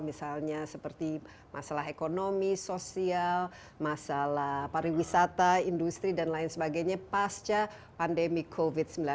misalnya seperti masalah ekonomi sosial masalah pariwisata industri dan lain sebagainya pasca pandemi covid sembilan belas